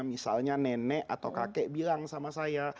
misalnya nenek atau kakek bilang sama saya